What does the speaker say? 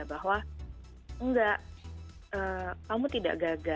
bahwa enggak kamu tidak gagal